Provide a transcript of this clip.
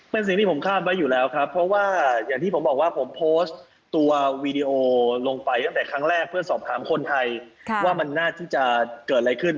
เป็นสิ่งที่ผมคาดไว้อยู่แล้วครับเพราะว่าอย่างที่ผมบอกว่าผมโพสต์ตัววีดีโอลงไปตั้งแต่ครั้งแรกเพื่อสอบถามคนไทยว่ามันน่าที่จะเกิดอะไรขึ้น